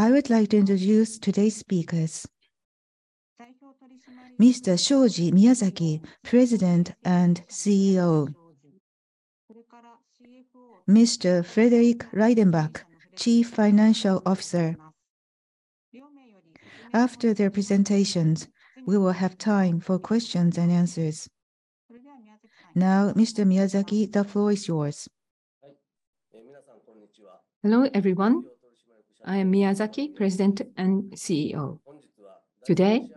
I would like to introduce today's speakers. Mr. Shoji Miyazaki, President and CEO. Mr. Frederick Reidenbach, Chief Financial Officer. After their presentations, we will have time for questions and answers. Mr. Miyazaki, the floor is yours. Hello, everyone. I am Miyazaki, President and CEO. Today,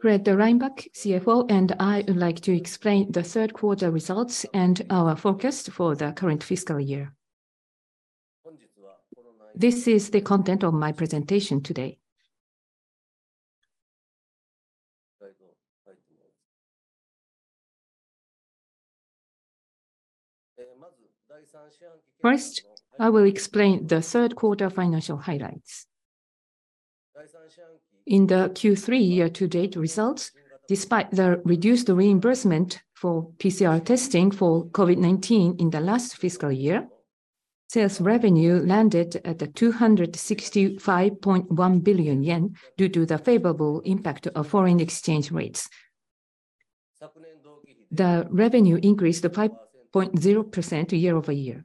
Fred Reidenbach, CFO, and I would like to explain the third quarter results and our forecast for the current fiscal year. This is the content of my presentation today. First, I will explain the third quarter financial highlights. In the Q3 year-to-date results, despite the reduced reimbursement for PCR testing for COVID-19 in the last fiscal year, sales revenue landed at 265.1 billion yen due to the favorable impact of foreign exchange rates. The revenue increased to 5.0%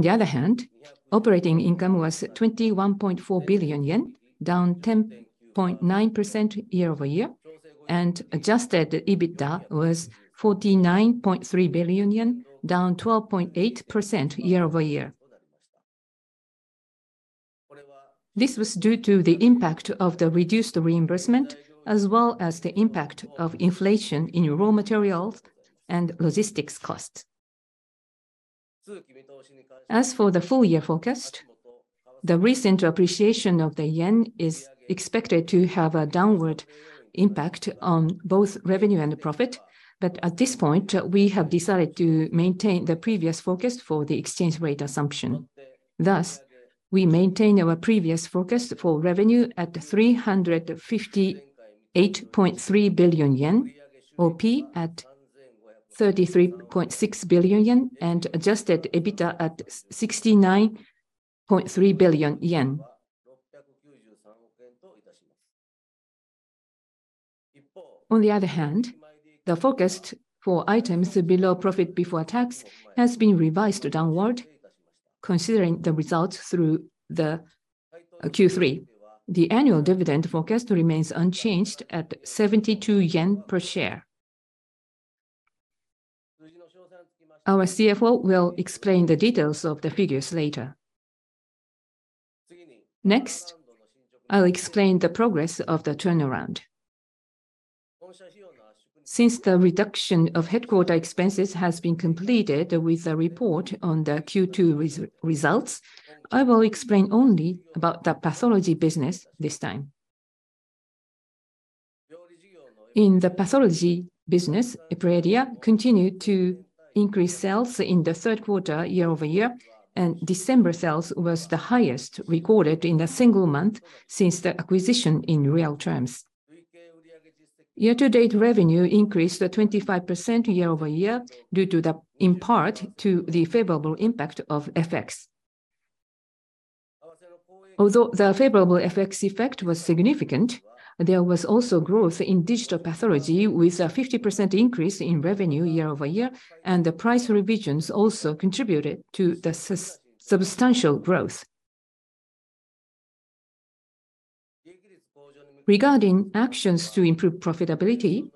year-over-year. Operating income was 21.4 billion yen, down 10.9% year-over-year, and adjusted EBITDA was 49.3 billion yen, down 12.8% year-over-year. This was due to the impact of the reduced reimbursement as well as the impact of inflation in raw materials and logistics costs. As for the full year forecast, the recent appreciation of the Yen is expected to have a downward impact on both revenue and profit. At this point, we have decided to maintain the previous forecast for the exchange rate assumption. We maintain our previous forecast for revenue at 358.3 billion yen, OP at 33.6 billion yen, and adjusted EBITDA at 69.3 billion yen. On the other hand, the forecast for items below profit before tax has been revised downward considering the results through the Q3. The annual dividend forecast remains unchanged at 72 yen per share. Our CFO will explain the details of the figures later. I'll explain the progress of the turnaround. Since the reduction of headquarters expenses has been completed with the report on the Q2 results, I will explain only about the pathology business this time. In the pathology business, Epredia continued to increase sales in the third quarter year-over-year, and December sales was the highest recorded in the single month since the acquisition in real terms. Year to date revenue increased to 25% year-over-year due to, in part to the favorable impact of FX. Although the favorable FX effect was significant, there was also growth in digital pathology with a 50% increase in revenue year-over-year and the price revisions also contributed to the substantial growth. Regarding actions to improve profitability,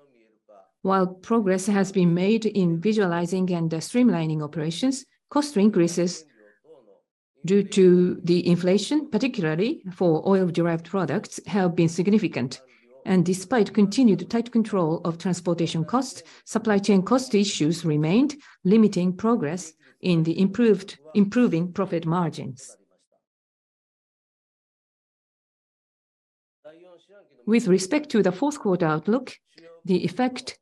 while progress has been made in visualizing and streamlining operations, cost increases due to the inflation, particularly for oil-derived products, have been significant. Despite continued tight control of transportation costs, supply chain cost issues remained, limiting progress in improving profit margins. With respect to the fourth quarter outlook, the effect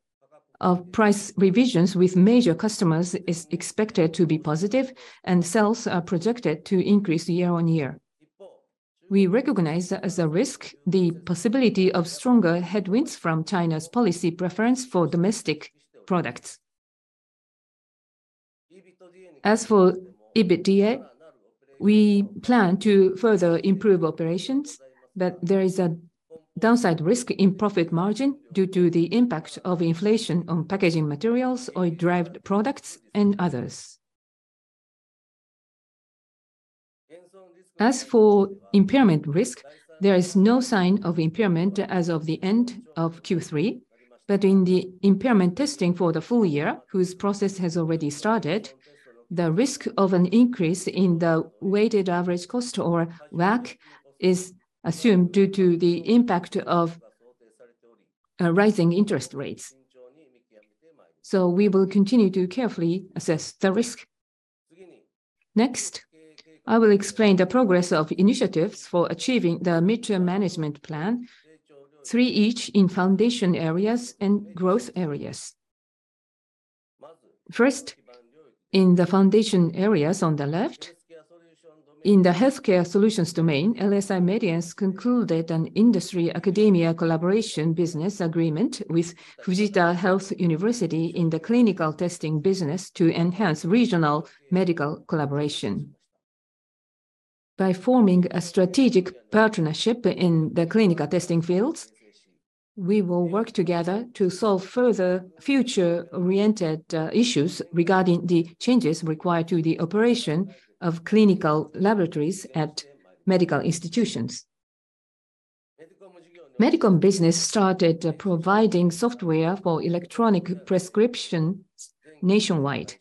of price revisions with major customers is expected to be positive and sales are projected to increase year-on-year. We recognize that as a risk, the possibility of stronger headwinds from China's policy preference for domestic products. As for EBITDA, we plan to further improve operations, but there is a downside risk in profit margin due to the impact of inflation on packaging materials, oil-derived products and others. As for impairment risk, there is no sign of impairment as of the end of Q3. In the impairment testing for the full year, whose process has already started, the risk of an increase in the weighted average cost or WAC is assumed due to the impact of rising interest rates. We will continue to carefully assess the risk. I will explain the progress of initiatives for achieving the Midterm Management Plan, three each in foundation areas and growth areas. In the foundation areas on the left. In the Healthcare Solutions domain, LSI Medience concluded an industry academia collaboration business agreement with Fujita Health University in the clinical testing business to enhance regional medical collaboration. By forming a strategic partnership in the clinical testing fields, we will work together to solve further future-oriented issues regarding the changes required to the operation of clinical laboratories at medical institutions. Medicom started providing software for electronic prescriptions nationwide.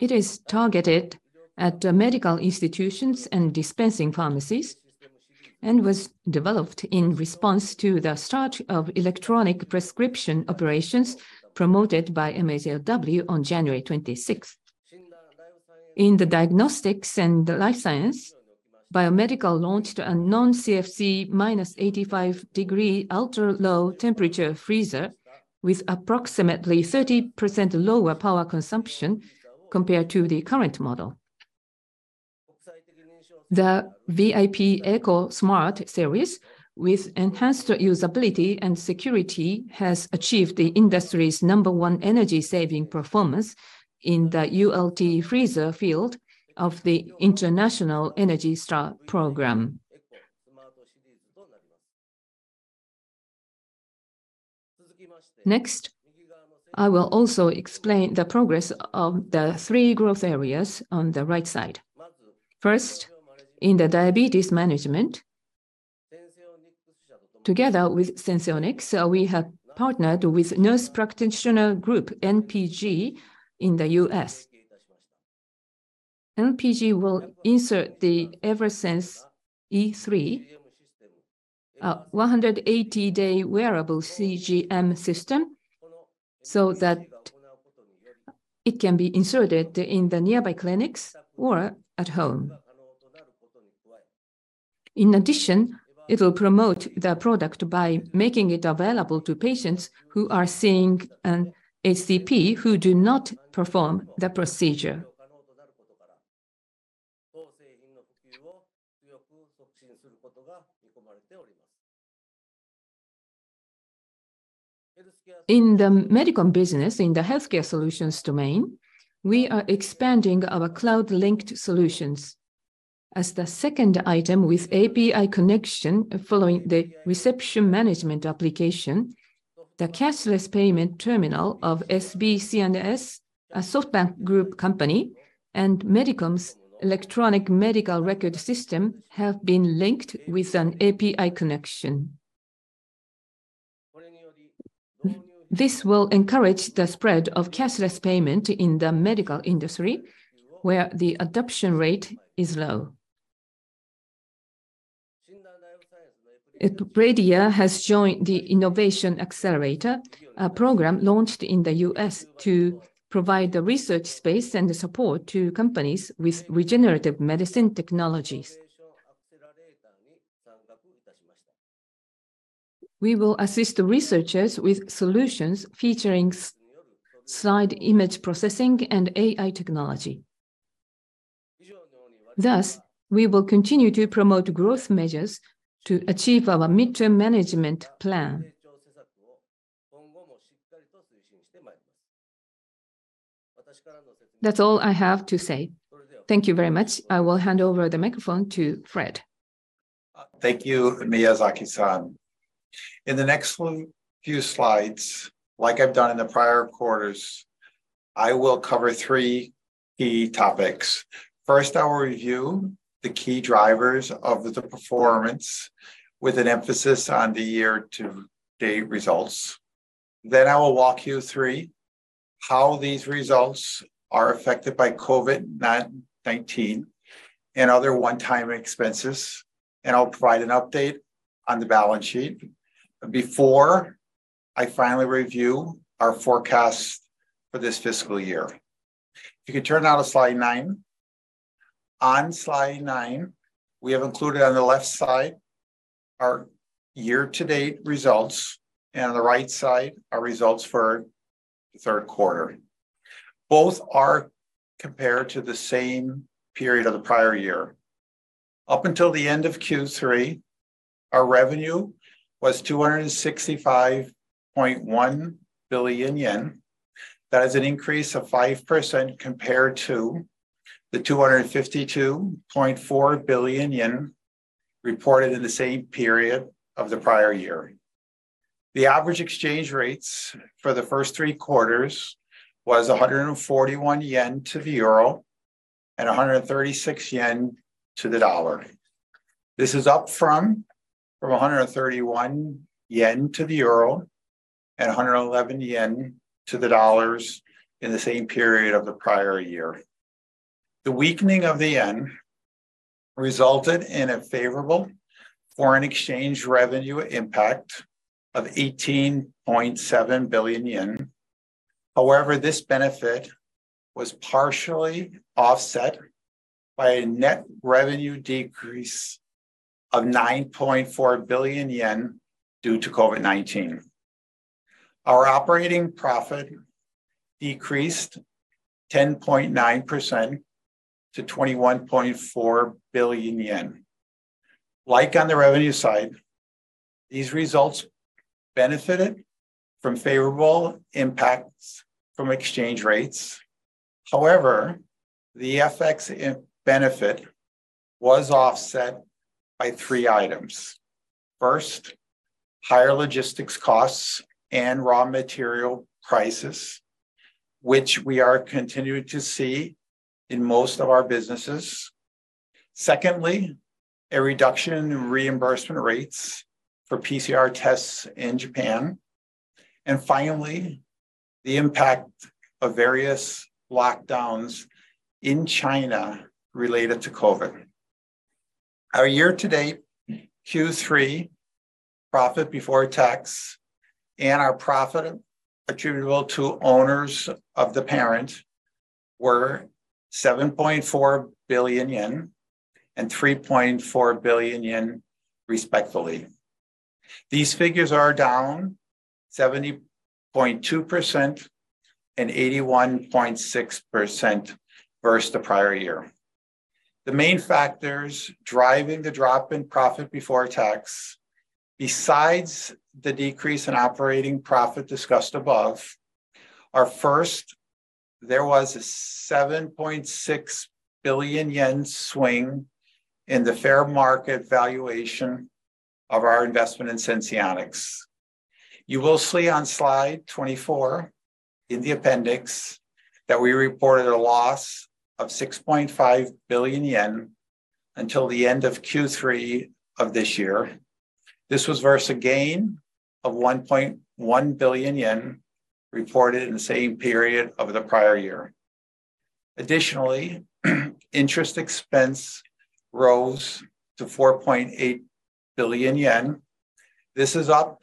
It is targeted at medical institutions and dispensing pharmacies, and was developed in response to the start of electronic prescription operations promoted by MHLW on January 26th. In the Diagnostics & Life Sciences, Biomedical launched a non-CFC -85 degrees ultra-low temperature freezer with approximately 30% lower power consumption compared to the current model. The VIP ECO SMART series with enhanced usability and security has achieved the industry's number one energy-saving performance in the ULT freezer field of the ENERGY STAR program. Next, I will also explain the progress of the three growth areas on the right side. First, in the Diabetes Management, together with Senseonics, we have partnered with Nurse Practitioner Group, NPG, in the U.S. NPG will insert the Eversense E3, a 180-day wearable CGM system, so that it can be inserted in the nearby clinics or at home. In addition, it'll promote the product by making it available to patients who are seeing an HCP who do not perform the procedure. In the Medicom business, in the Healthcare Solutions domain, we are expanding our cloud-linked solutions. As the second item with API connection following the reception management application, the cashless payment terminal of SB C&S, a SoftBank Group company, and Medicom's electronic medical record system have been linked with an API connection. This will encourage the spread of cashless payment in the medical industry, where the adoption rate is low. Epredia has joined the Innovation Accelerator, a program launched in the U.S. To provide the research space and the support to companies with regenerative medicine technologies. We will assist the researchers with solutions featuring slide image processing and AI technology. Thus, we will continue to promote growth measures to achieve our midterm management plan. That's all I have to say. Thank you very much. I will hand over the microphone to Fred. Thank you, Miyazaki-san. In the next few slides, like I've done in the prior quarters, I will cover three key topics. First, I will review the key drivers of the performance with an emphasis on the year-to-date results. I will walk you through how these results are affected by COVID-19 and other one-time expenses. I'll provide an update on the balance sheet before I finally review our forecast for this fiscal year. If you could turn on to slide nine. On slide nine, we have included on the left side our year-to-date results and on the right side, our results for the third quarter. Both are compared to the same period of the prior year. Up until the end of Q3, our revenue was 265.1 billion yen. That is an increase of 5% compared to the 252.4 billion yen reported in the same period of the prior year. The average exchange rates for the first three quarters was 141 yen to the Euro and 136 yen to the Dollar. This is up from 131 yen to the Euro and 111 yen to the Dollars in the same period of the prior year. The weakening of the Yen resulted in a favorable foreign exchange revenue impact of 18.7 billion yen. This benefit was partially offset by a net revenue decrease of 9.4 billion yen due to COVID-19. Our operating profit decreased 10.9% to 21.4 billion yen. Like on the revenue side, these results benefited from favorable impacts from exchange rates. The FX benefit was offset by three items. Higher logistics costs and raw material prices, which we are continuing to see in most of our businesses. A reduction in reimbursement rates for PCR tests in Japan. Finally, the impact of various lockdowns in China related to COVID. Our year-to-date Q3 profit before tax and our profit attributable to owners of the parent were 7.4 billion yen and 3.4 billion yen respectively. These figures are down 70.2% and 81.6% versus the prior year. The main factors driving the drop in profit before tax, besides the decrease in operating profit discussed above, are there was a 7.6 billion yen swing in the fair market valuation of our investment in Senseonics. You will see on slide 24 in the appendix that we reported a loss of 6.5 billion yen until the end of Q3 of this year. This was versus a gain of 1.1 billion yen reported in the same period of the prior year. Additionally, interest expense rose to 4.8 billion yen. This is up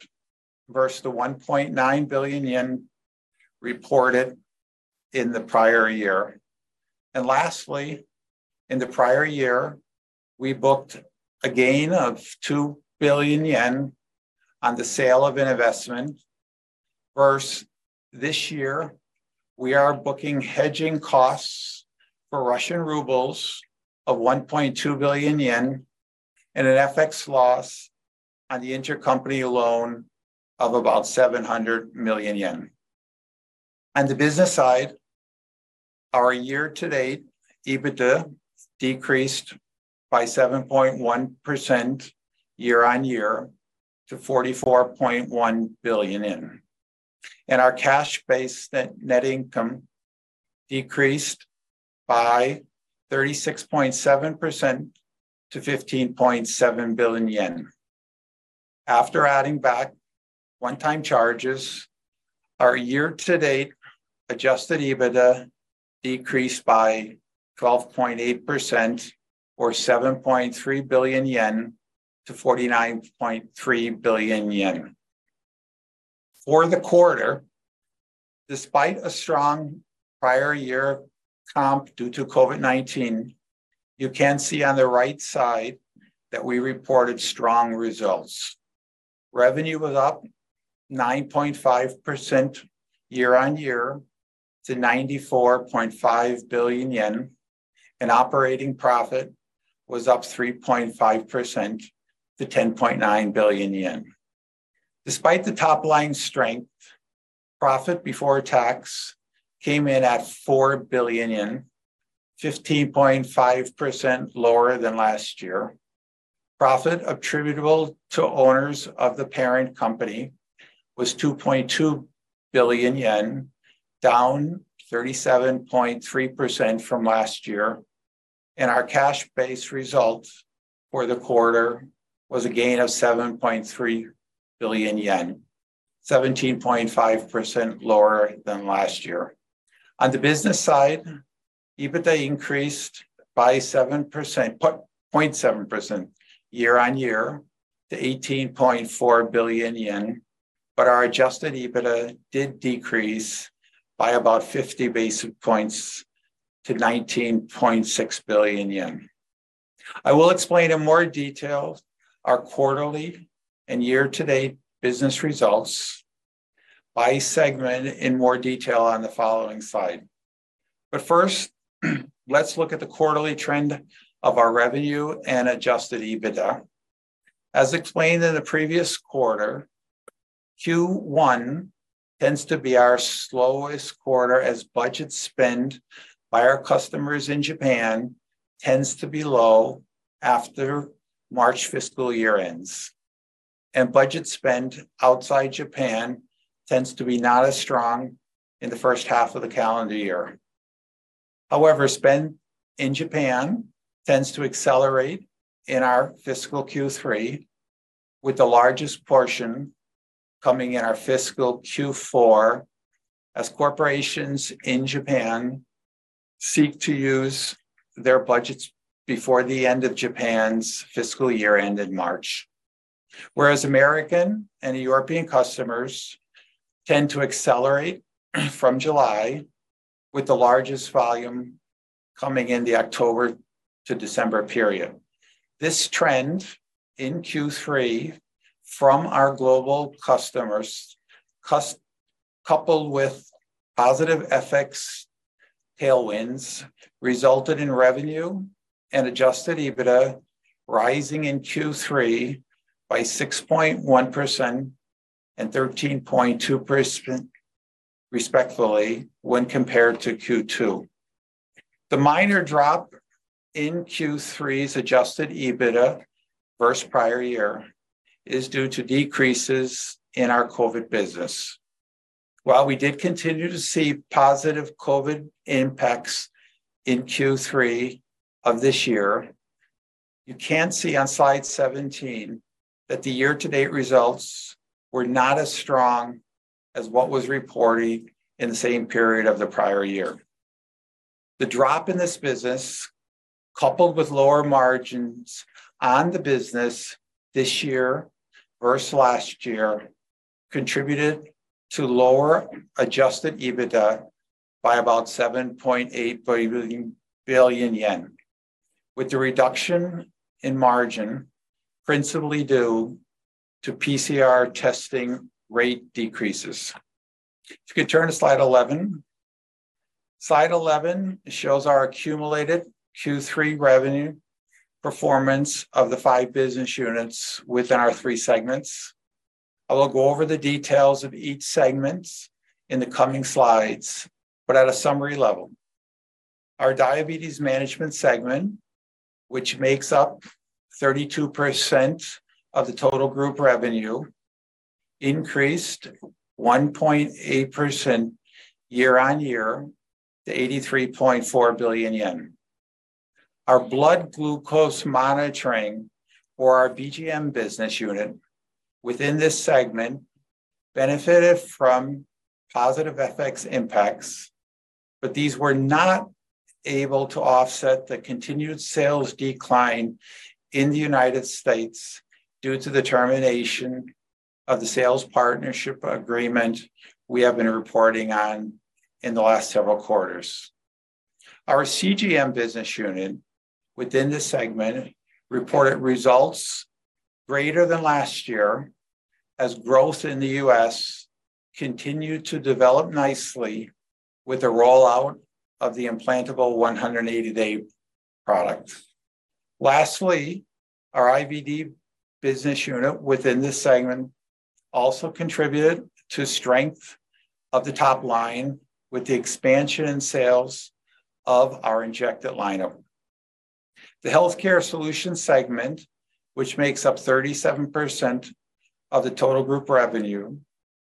versus the 1.9 billion yen reported in the prior year. Lastly, in the prior year, we booked a gain of 2 billion yen on the sale of an investment. First, this year, we are booking hedging costs for Russian rubles of 1.2 billion yen and an FX loss on the intercompany loan of about 700 million yen. On the business side, our year-to-date EBITDA decreased by 7.1% year-on-year to 44.1 billion. Our cash base net net income decreased by 36.7% to 15.7 billion yen. After adding back one-time charges, our year-to-date adjusted EBITDA decreased by 12.8% or 7.3 billion yen to 49.3 billion yen. For the quarter, despite a strong prior year comp due to COVID-19, you can see on the right side that we reported strong results. Revenue was up 9.5% year-over-year to 94.5 billion yen, and operating profit was up 3.5% to 10.9 billion yen. Despite the top line strength, profit before tax came in at 4 billion, 15.5% lower than last year. Profit attributable to owners of the parent company was 2.2 billion yen, down 37.3% from last year. Our cash-based results for the quarter was a gain of 7.3 billion yen, 17.5% lower than last year. On the business side, EBITDA increased by 7%, 0.7% year on year to 18.4 billion yen. Our adjusted EBITDA did decrease by about 50 basis points to 19.6 billion yen. I will explain in more detail our quarterly and year-to-date business results by segment in more detail on the following slide. First, let's look at the quarterly trend of our revenue and adjusted EBITDA. As explained in the previous quarter, Q1 tends to be our slowest quarter as budget spend by our customers in Japan tends to be low after March fiscal year ends. Budget spend outside Japan tends to be not as strong in the first half of the calendar year. Spend in Japan tends to accelerate in our fiscal Q3, with the largest portion coming in our fiscal Q4 as corporations in Japan seek to use their budgets before the end of Japan's fiscal year-end in March. American and European customers tend to accelerate from July, with the largest volume coming in the October to December period. This trend in Q3 from our global customers coupled with positive FX tailwinds resulted in revenue and adjusted EBITDA rising in Q3 by 6.1% and 13.2% respectively when compared to Q2. The minor drop in Q3's adjusted EBITDA versus prior year is due to decreases in our COVID business. While we did continue to see positive COVID-19 impacts in Q3 of this year, you can see on slide 17 that the year-to-date results were not as strong as what was reported in the same period of the prior year. The drop in this business, coupled with lower margins on the business this year versus last year, contributed to lower adjusted EBITDA by about 7.8 billion yen, with the reduction in margin principally due to PCR testing rate decreases. If you could turn to slide 11. Slide 11 shows our accumulated Q3 revenue performance of the five business units within our three segments. I will go over the details of each segments in the coming slides, but at a summary level. Our Diabetes Management segment, which makes up 32% of the total group revenue, increased 1.8% year-over-year to JPY 83.4 billion. Our blood glucose monitoring for our BGM business unit within this segment benefited from positive FX impacts. These were not able to offset the continued sales decline in the United States due to the termination of the sales partnership agreement we have been reporting on in the last several quarters. Our CGM business unit within the segment reported results greater than last year as growth in the U.S. continued to develop nicely with the rollout of the implantable 180-day product. Lastly, our IVD business unit within this segment also contributed to strength of the top line with the expansion in sales of our injector lineup. The Healthcare Solutions segment, which makes up 37% of the total group revenue,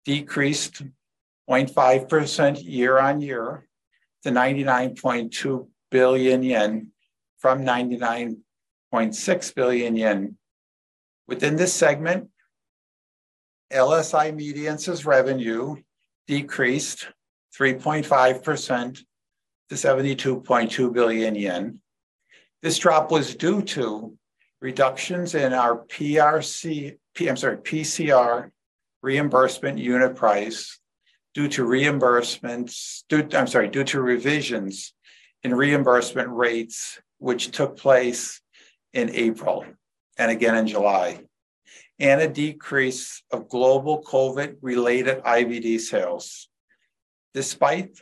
decreased 0.5% year-on-year to 99.2 billion yen from 99.6 billion yen. Within this segment, LSI Medience's revenue decreased 3.5% to 72.2 billion yen. This drop was due to reductions in our PCR reimbursement unit price due to reimbursements, due to revisions in reimbursement rates which took place in April and again in July, and a decrease of global COVID-related IVD sales. Despite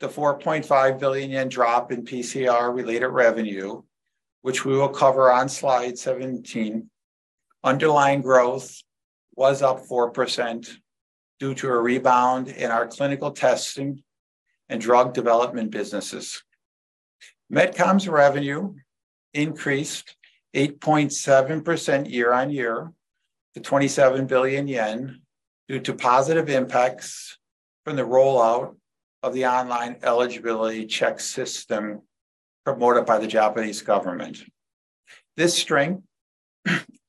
the 4.5 billion yen drop in PCR-related revenue, which we will cover on slide 17, underlying growth was up 4% due to a rebound in our clinical testing and drug development businesses. Medicom's revenue increased 8.7% year-on-year to 27 billion yen due to positive impacts from the rollout of the online eligibility verification system promoted by the Japanese government. This strength,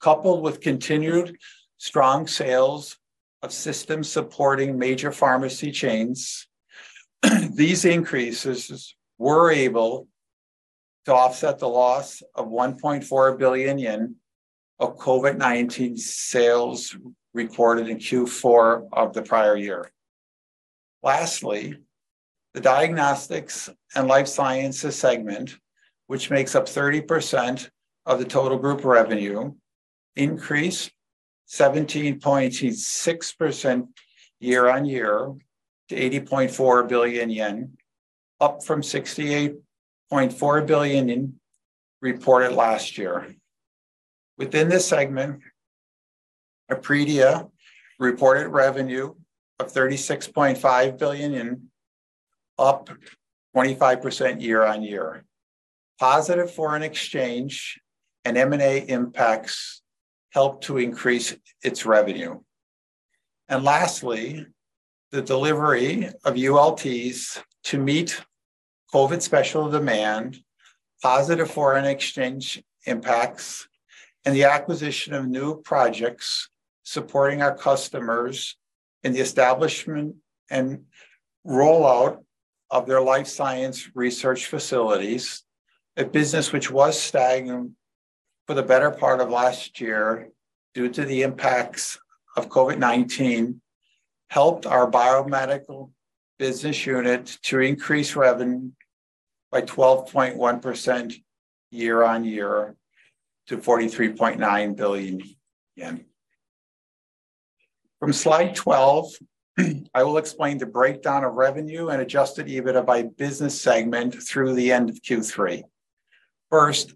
coupled with continued strong sales of systems supporting major pharmacy chains, these increases were able to offset the loss of 1.4 billion yen of COVID-19 sales recorded in Q4 of the prior year. Lastly, the Diagnostics & Life Sciences segment, which makes up 30% of the total group revenue, increased 17.6% year-on-year to 80.4 billion yen, up from 68.4 billion reported last year. Within this segment, Epredia reported revenue of 36.5 billion, up 25% year-on-year. Positive foreign exchange and M&A impacts helped to increase its revenue. Lastly, the delivery of ULTs to meet COVID special demand, positive foreign exchange impacts, and the acquisition of new projects supporting our customers in the establishment and rollout of their life science research facilities, a business which was stagnant for the better part of last year, due to the impacts of COVID-19, helped our Biomedical business unit to increase revenue by 12.1% year-over-year to 43.9 billion yen. From slide 12, I will explain the breakdown of revenue and adjusted EBITDA by business segment through the end of Q3. First,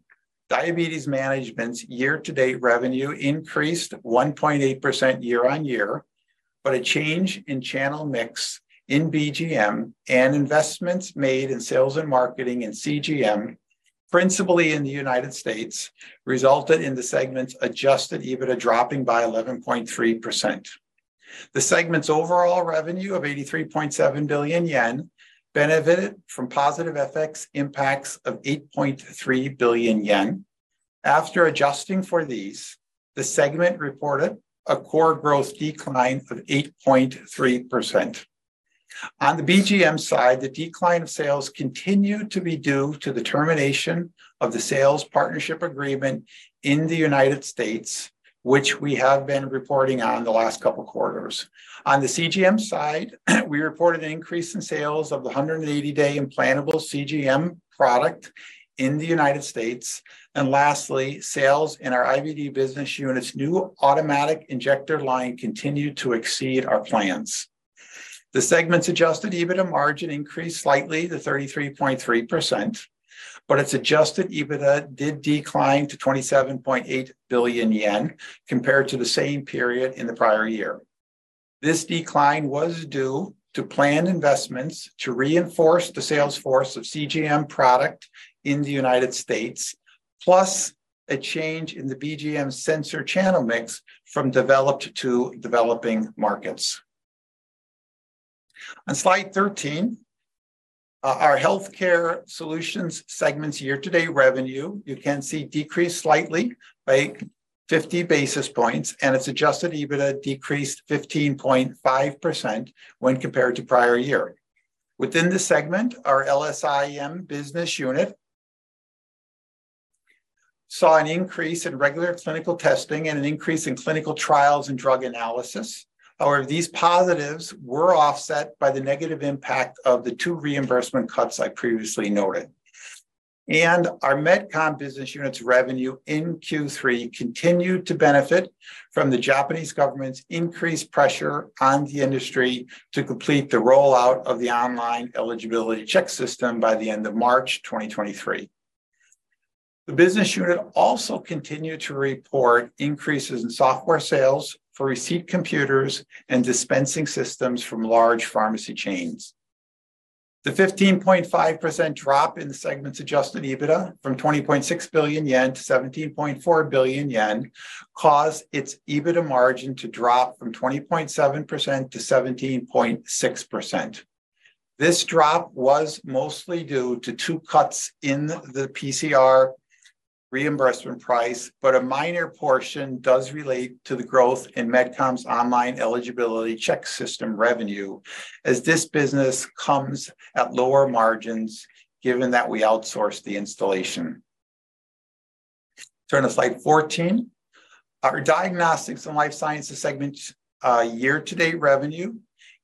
Diabetes Management's year-to-date revenue increased 1.8% year-over-year, but a change in channel mix in BGM and investments made in sales and marketing and CGM, principally in the United States, resulted in the segment's adjusted EBITDA dropping by 11.3%. The segment's overall revenue of 83.7 billion yen benefited from positive FX impacts of 8.3 billion yen. After adjusting for these, the segment reported a core gross decline of 8.3%. On the BGM side, the decline of sales continued to be due to the termination of the sales partnership agreement in the United States, which we have been reporting on the last couple of quarters. On the CGM side, we reported an increase in sales of the 180-day implantable CGM product in the United States. Lastly, sales in our IVD business unit's new automatic injector line continued to exceed our plans. The segment's adjusted EBITDA margin increased slightly to 33.3%, its adjusted EBITDA did decline to 27.8 billion yen compared to the same period in the prior year. This decline was due to planned investments to reinforce the sales force of CGM product in the United States, plus a change in the BGM sensor channel mix from developed to developing markets. On slide 13, our Healthcare Solutions segment's year-to-date revenue, you can see decreased slightly by 50 basis points. Its adjusted EBITDA decreased 15.5% when compared to prior year. Within the segment, our LSIM business unit saw an increase in regular clinical testing and an increase in clinical trials and drug analysis. However, these positives were offset by the negative impact of the two reimbursement cuts I previously noted. Our Medicom business unit's revenue in Q3 continued to benefit from the Japanese government's increased pressure on the industry to complete the rollout of the online eligibility verification system by the end of March 2023. The business unit also continued to report increases in software sales for receipt computers and dispensing systems from large pharmacy chains. The 15.5% drop in the segment's adjusted EBITDA from 20.6 billion yen to 17.4 billion yen caused its EBITDA margin to drop from 20.7% to 17.6%. This drop was mostly due to two cuts in the PCR reimbursement price, but a minor portion does relate to the growth in Medicom's online eligibility verification system revenue, as this business comes at lower margins, given that we outsource the installation. Turn to slide 14. Our Diagnostics & Life Sciences segment's year-to-date revenue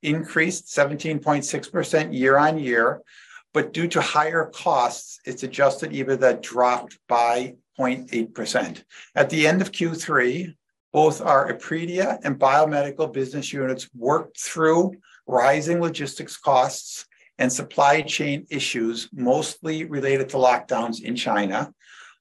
increased 17.6% year-on-year, but due to higher costs, its adjusted EBITDA dropped by 0.8%. At the end of Q3, both our Epredia and Biomedical business units worked through rising logistics costs and supply chain issues, mostly related to lockdowns in China.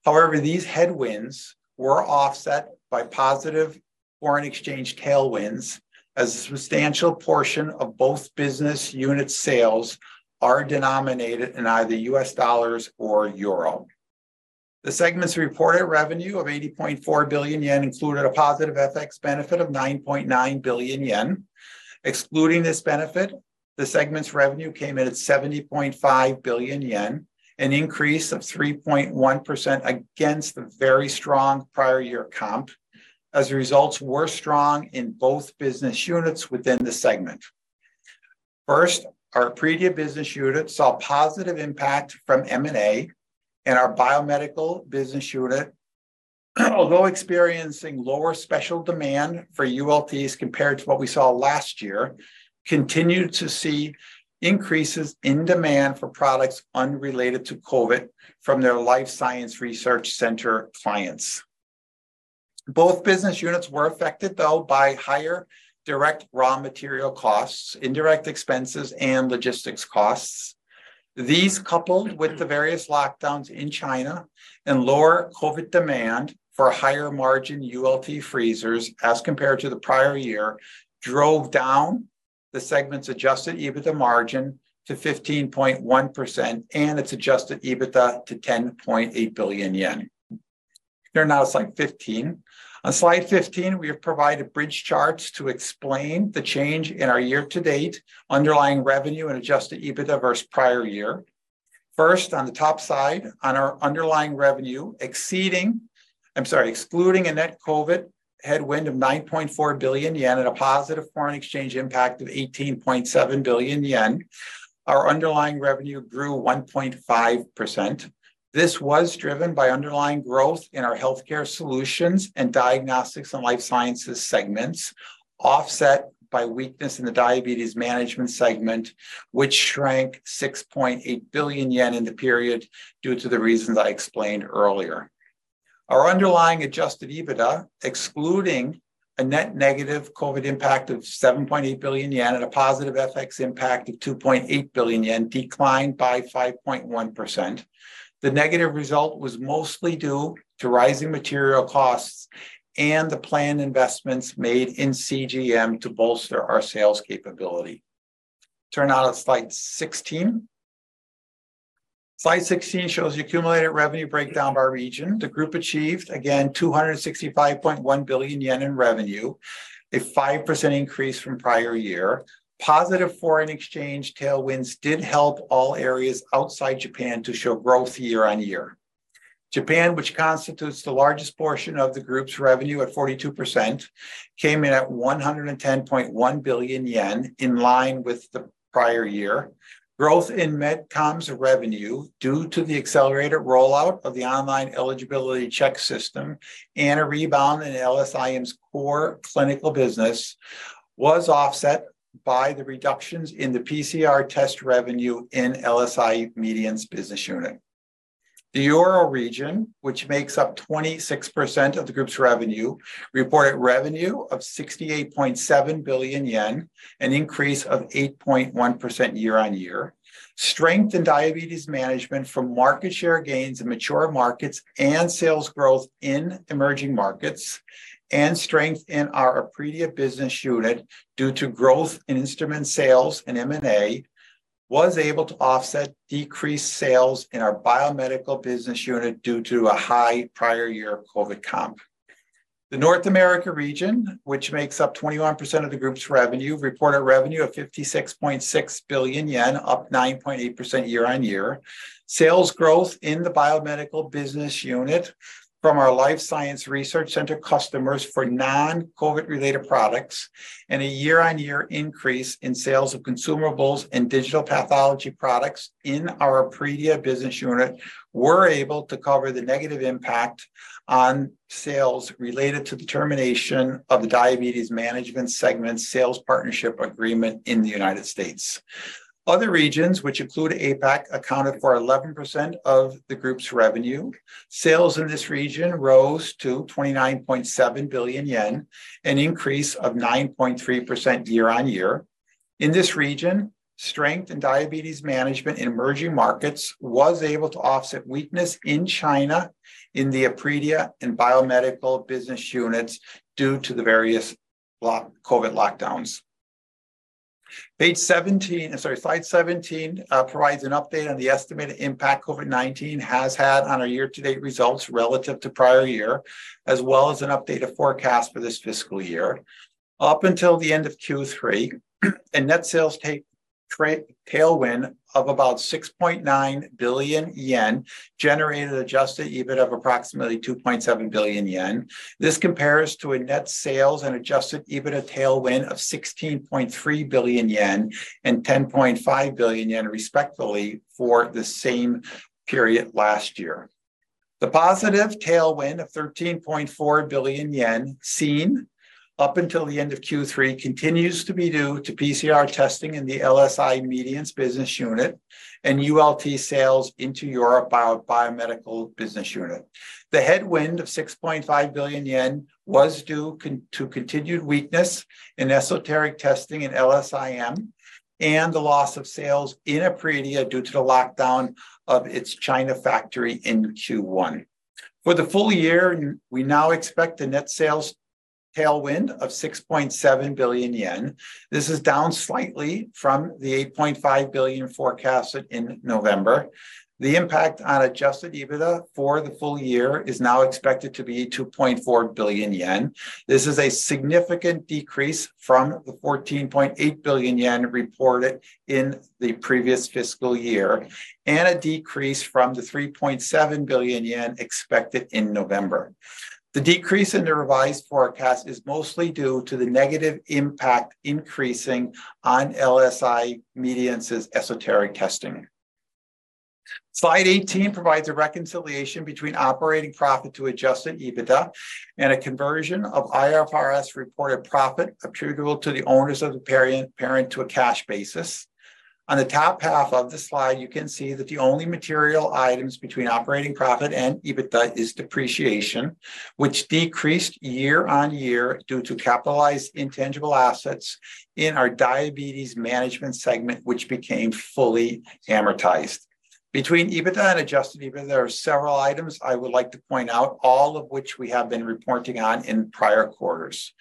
However, these headwinds were offset by positive foreign exchange tailwinds, as a substantial portion of both business unit sales are denominated in either U.S. Dollars or Euro. The segment's reported revenue of 80.4 billion yen included a positive FX benefit of 9.9 billion yen. Excluding this benefit, the segment's revenue came in at 70.5 billion yen, an increase of 3.1% against the very strong prior year comp, as results were strong in both business units within the segment. Our Epredia business unit saw positive impact from M&A, and our Biomedical business unit, although experiencing lower special demand for ULTs compared to what we saw last year, continued to see increases in demand for products unrelated to COVID from their life science research center clients. Both business units were affected, though, by higher direct raw material costs, indirect expenses, and logistics costs. These, coupled with the various lockdowns in China and lower COVID demand for higher-margin ULT freezers as compared to the prior year, drove down the segment's adjusted EBITDA margin to 15.1% and its adjusted EBITDA to 10.8 billion yen. Turn now to slide 15. On slide 15, we have provided bridge charts to explain the change in our year-to-date underlying revenue and adjusted EBITDA versus prior year. On the top side, on our underlying revenue, exceeding. I'm sorry, excluding a net COVID headwind of 9.4 billion yen and a positive foreign exchange impact of 18.7 billion yen, our underlying revenue grew 1.5%. This was driven by underlying growth in our Healthcare Solutions and Diagnostics & Life Sciences segments, offset by weakness in the Diabetes Management segment, which shrank 6.8 billion yen in the period due to the reasons I explained earlier. Our underlying adjusted EBITDA, excluding a net negative COVID impact of 7.8 billion yen and a positive FX impact of 2.8 billion yen, declined by 5.1%. The negative result was mostly due to rising material costs and the planned investments made in CGM to bolster our sales capability. Turn now to slide 16. Slide 16 shows the accumulated revenue breakdown by region. The group achieved, again, 265.1 billion yen in revenue, a 5% increase from prior year. Positive foreign exchange tailwinds did help all areas outside Japan to show growth year-on-year. Japan, which constitutes the largest portion of the group's revenue at 42%, came in at 110.1 billion yen, in line with the prior year. Growth in Medicom's revenue due to the accelerated rollout of the online eligibility verification system and a rebound in LSIM's core clinical business was offset by the reductions in the PCR test revenue in LSI Medience business unit. The Euro region, which makes up 26% of the group's revenue, reported revenue of 68.7 billion yen, an increase of 8.1% year-on-year. Strength in Diabetes Management from market share gains in mature markets and sales growth in emerging markets, and strength in our Epredia business unit due to growth in instrument sales and M&A, was able to offset decreased sales in our Biomedical business unit due to a high prior year COVID comp. The North America region, which makes up 21% of the group's revenue, reported revenue of 56.6 billion yen, up 9.8% year-on-year. Sales growth in the Biomedical business unit from our Life Science Research Center customers for non-COVID related products, and a year-on-year increase in sales of consumables and digital pathology products in our Epredia business unit were able to cover the negative impact on sales related to the termination of the Diabetes Management segment sales partnership agreement in the United States. Other regions, which include APAC, accounted for 11% of the group's revenue. Sales in this region rose to 29.7 billion yen, an increase of 9.3% year-over-year. In this region, strength in Diabetes Management in emerging markets was able to offset weakness in China in the Epredia and Biomedical business units due to the various COVID-19 lockdowns. Page 17, I'm sorry, slide 17, provides an update on the estimated impact COVID-19 has had on our year-to-date results relative to prior year, as well as an updated forecast for this fiscal year. Up until the end of Q3, a net sales tailwind of about 6.9 billion yen generated adjusted EBIT of approximately 2.7 billion yen. This compares to a net sales and adjusted EBITDA tailwind of 16.3 billion yen and 10.5 billion yen, respectively, for the same period last year. The positive tailwind of 13.4 billion yen seen up until the end of Q3 continues to be due to PCR testing in the LSI Medience business unit and ULT sales into our Biomedical business unit. The headwind of 6.5 billion yen was due to continued weakness in esoteric testing in LSIM and the loss of sales in Epredia due to the lockdown of its China factory in Q1. For the full year, we now expect a net sales tailwind of 6.7 billion yen. This is down slightly from the 8.5 billion forecasted in November. The impact on adjusted EBITDA for the full year is now expected to be 2.4 billion yen. This is a significant decrease from the 14.8 billion yen reported in the previous fiscal year and a decrease from the 3.7 billion yen expected in November. The decrease in the revised forecast is mostly due to the negative impact increasing on LSI Medience's esoteric testing. Slide 18 provides a reconciliation between operating profit to adjusted EBITDA and a conversion of IFRS reported profit attributable to the owners of the parent to a cash basis. On the top half of the slide, you can see that the only material items between operating profit and EBITDA is depreciation, which decreased year-over-year due to capitalized intangible assets in our Diabetes Management segment, which became fully amortized. Between EBITDA and adjusted EBITDA, there are several items I would like to point out, all of which we have been reporting on in prior quarters.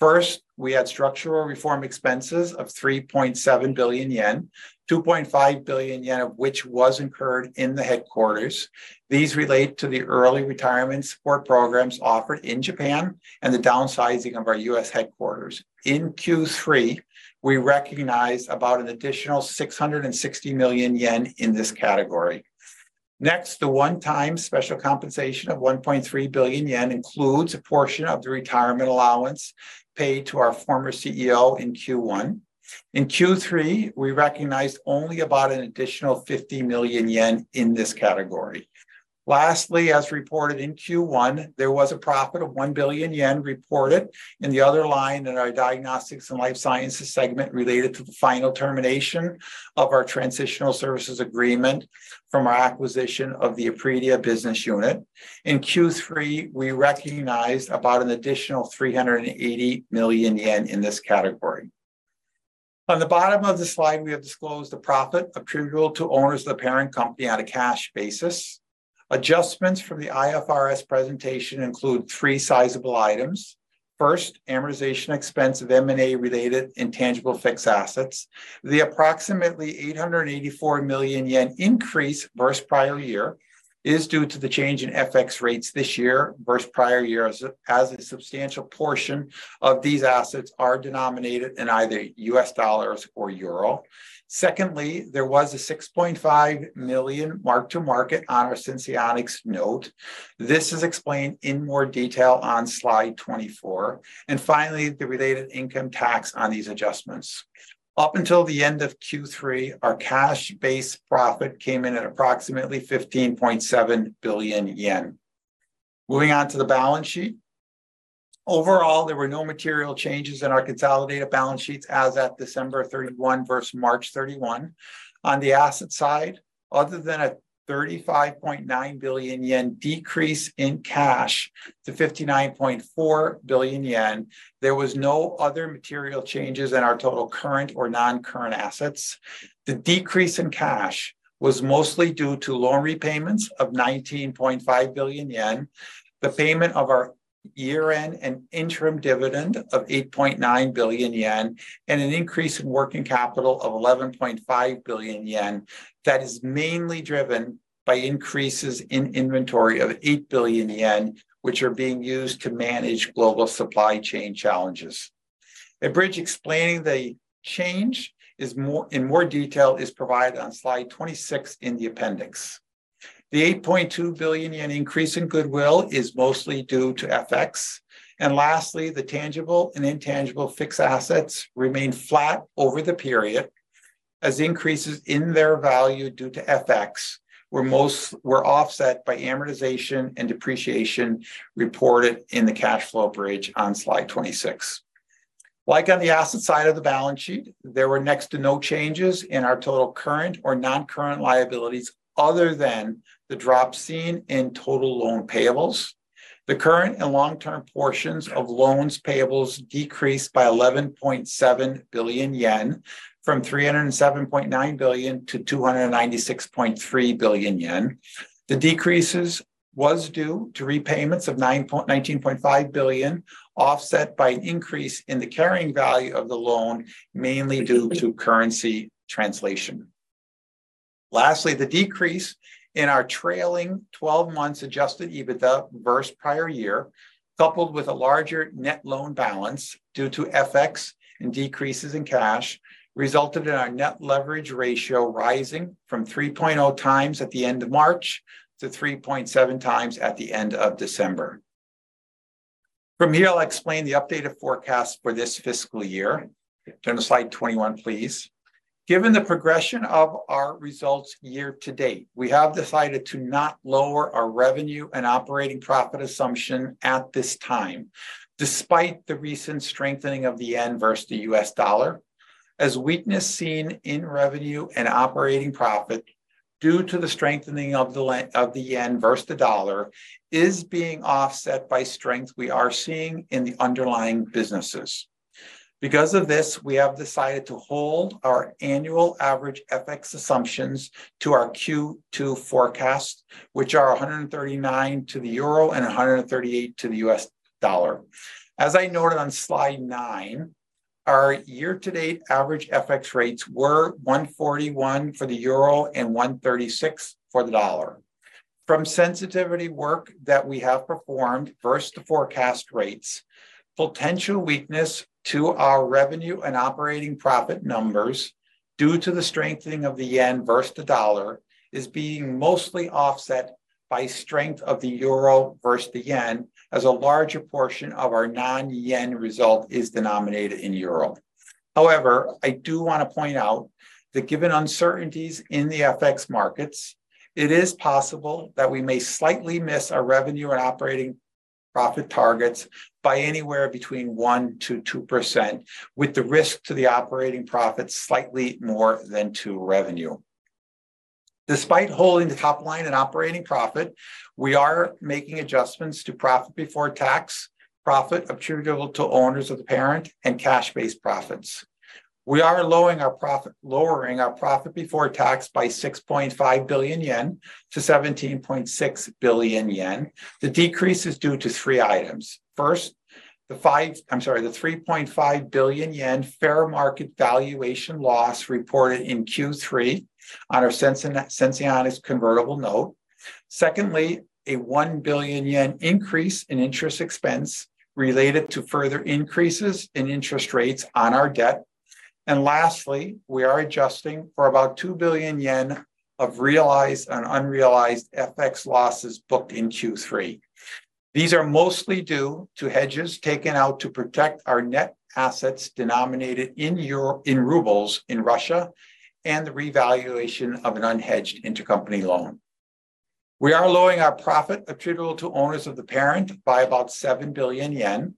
First, we had structural reform expenses of 3.7 billion yen, 2.5 billion yen of which was incurred in the headquarters. These relate to the early retirement support programs offered in Japan and the downsizing of our U.S. headquarters. In Q3, we recognized about an additional 660 million yen in this category. The one-time special compensation of 1.3 billion yen includes a portion of the retirement allowance paid to our former CEO in Q1. In Q3, we recognized only about an additional 50 million yen in this category. As reported in Q1, there was a profit of 1 billion yen reported in the other line in our Diagnostics & Life Sciences segment related to the final termination of our transitional services agreement from our acquisition of the Epredia business unit. In Q3, we recognized about an additional 380 million yen in this category. On the bottom of the slide, we have disclosed the profit attributable to owners of the parent company on a cash basis. Adjustments from the IFRS presentation include three sizable items. First, amortization expense of M&A-related intangible fixed assets. The approximately 884 million yen increase versus prior year is due to the change in FX rates this year versus prior year as a substantial portion of these assets are denominated in either U.S. Dollars or Euro. Secondly, there was a 6.5 million mark-to-market on our Senseonics note. This is explained in more detail on slide 24. Finally, the related income tax on these adjustments. Up until the end of Q3, our cash base profit came in at approximately 15.7 billion yen. Moving on to the balance sheet. Overall, there were no material changes in our consolidated balance sheets as at December 31 versus March 31. On the asset side, other than a 35.9 billion yen decrease in cash to 59.4 billion yen, there was no other material changes in our total current or non-current assets. The decrease in cash was mostly due to loan repayments of 19.5 billion yen, the payment of our year-end and interim dividend of 8.9 billion yen, and an increase in working capital of 11.5 billion yen that is mainly driven by increases in inventory of 8 billion yen, which are being used to manage global supply chain challenges. A bridge explaining the change in more detail is provided on slide 26 in the appendix. The 8.2 billion yen increase in goodwill is mostly due to FX. Lastly, the tangible and intangible fixed assets remain flat over the period, as increases in their value due to FX were offset by amortization and depreciation reported in the cash flow bridge on slide 26. Like on the asset side of the balance sheet, there were next to no changes in our total current or non-current liabilities other than the drop seen in total loan payables. The current and long-term portions of loans payables decreased by 11.7 billion yen, from 307.9 billion to 296.3 billion yen. The decreases was due to repayments of 19.5 billion, offset by an increase in the carrying value of the loan, mainly due to currency translation. Lastly, the decrease in our trailing twelve months adjusted EBITDA versus prior year, coupled with a larger net loan balance due to FX and decreases in cash, resulted in our net leverage ratio rising from 3.0x at the end of March to 3.7x at the end of December. From here, I'll explain the updated forecast for this fiscal year. Turn to slide 21, please. Given the progression of our results year to date, we have decided to not lower our revenue and operating profit assumption at this time, despite the recent strengthening of the Yen versus the U.S. Dollar, as weakness seen in revenue and operating profit due to the strengthening of the Yen versus the U.S. Dollar is being offset by strength we are seeing in the underlying businesses. We have decided to hold our annual average FX assumptions to our Q2 forecast, which are 139 to the Euro and 138 to the U.S. Dollar. As I noted on slide nine, our year-to-date average FX rates were 141 for the Euro and 136 for the U.S. Dollar. From sensitivity work that we have performed versus the forecast rates, potential weakness to our revenue and operating profit numbers due to the strengthening of the Yen versus the Dollar is being mostly offset by strength of the Euro versus the Yen, as a larger portion of our non-Yen result is denominated in Euro. I do want to point out that given uncertainties in the FX markets, it is possible that we may slightly miss our revenue and operating profit targets by anywhere between 1%-2%, with the risk to the operating profit slightly more than to revenue. Despite holding the top line in operating profit, we are making adjustments to profit before tax, profit attributable to owners of the parent, and cash-based profits. We are lowering our profit before tax by 6.5 billion yen to 17.6 billion yen. The decrease is due to three items. First, the 3.5 billion yen fair market valuation loss reported in Q3 on our Senseonics convertible note. A 1 billion yen increase in interest expense related to further increases in interest rates on our debt. Lastly, we are adjusting for about 2 billion yen of realized and unrealized FX losses booked in Q3. These are mostly due to hedges taken out to protect our net assets denominated in Rubles in Russia and the revaluation of an unhedged intercompany loan. We are lowering our profit attributable to owners of the parent by about 7 billion yen,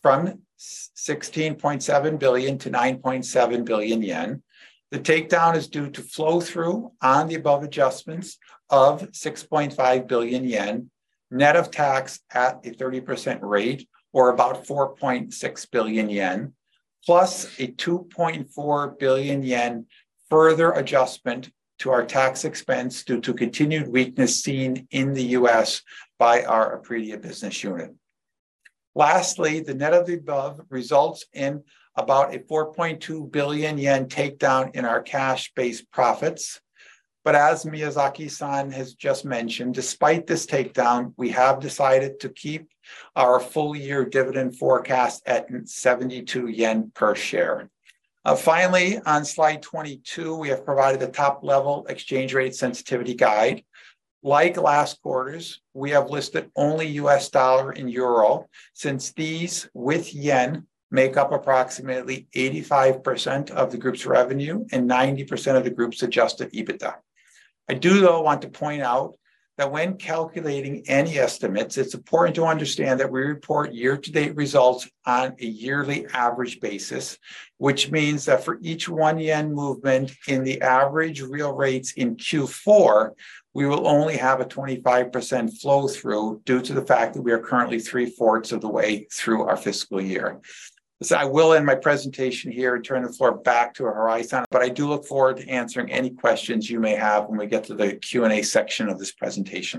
from 16.7 billion-9.7 billion yen. The takedown is due to flow through on the above adjustments of 6.5 billion yen, net of tax at a 30% rate, or about 4.6 billion yen, plus a 2.4 billion yen further adjustment to our tax expense due to continued weakness seen in the U.S. by our Epredia business unit. Lastly, the net of the above results in about a 4.2 billion yen takedown in our cash-based profits. As Miyazaki-san has just mentioned, despite this takedown, we have decided to keep our full-year dividend forecast at 72 yen per share. Finally, on slide 22, we have provided a top-level exchange rate sensitivity guide. Like last quarters, we have listed only U.S. Dollar and Euro, since these, with Yen, make up approximately 85% of the group's revenue and 90% of the group's adjusted EBITDA. I do, though, want to point out that when calculating any estimates, it's important to understand that we report year-to-date results on a yearly average basis, which means that for each 1 yen movement in the average real rates in Q4, we will only have a 25% flow through due to the fact that we are currently three-fourths of the way through our fiscal year. I will end my presentation here and turn the floor back to Horizon, but I do look forward to answering any questions you may have when we get to the Q&A section of this presentation